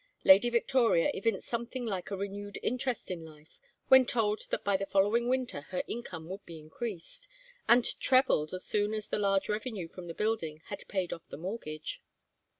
Lady Victoria evinced something like a renewed interest in life when told that by the following winter her income would be increased; and trebled as soon as the large revenue from the building had paid off the mortgage.